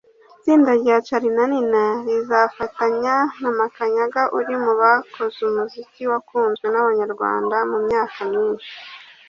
Itsinda rya Charly na Nina rizafatanya na Makanyaga uri mu bakoze umuziki wakunzwe n’Abanyarwanda mu myaka myinshi